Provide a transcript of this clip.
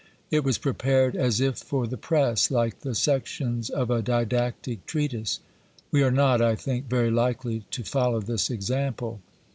It was prepared as if for the press, like the sections of a didactic treatise. We are not, I think, very likely to follow this example.